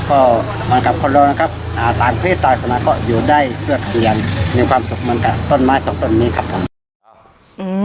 ก็มากับคนเรานะครับต่างเพศต่างสมาก็อยู่ได้เพื่อเปลี่ยนมีความสุขเหมือนกับต้นไม้สองต้นนี้ครับผม